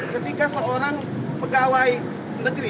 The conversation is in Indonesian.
ketika seorang pegawai negeri